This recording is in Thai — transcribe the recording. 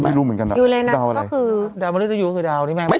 ยูเรนัสก็คือดาวมรุตยูคือดาวนี่แม่ง